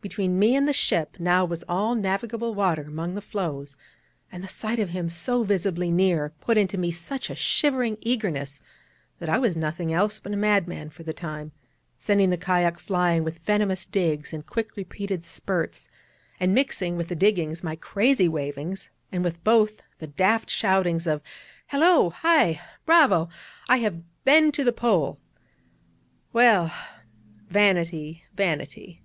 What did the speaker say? Between me and the ship now was all navigable water among the floes, and the sight of him so visibly near put into me such a shivering eagerness, that I was nothing else but a madman for the time, sending the kayak flying with venomous digs in quick repeated spurts, and mixing with the diggings my crazy wavings, and with both the daft shoutings of 'Hallo! Hi! Bravo! I have been to the Pole!' Well, vanity, vanity.